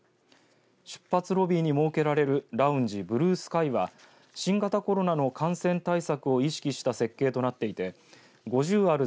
出発ロビーに設けられるラウンジ、ブルースカイは新型コロナの感染対策を意識した設計となっていて５０ある